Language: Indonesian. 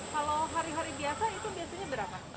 kalau hari hari biasa itu biasanya berapa